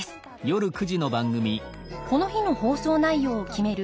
この日の放送内容を決める